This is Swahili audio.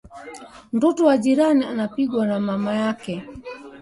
Mtoto wa jirani anapigwa na mama yake